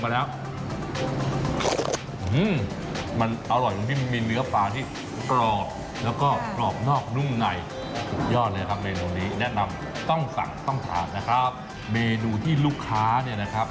แล้วก็ตามด้วยใบเมี่ยงค่ะ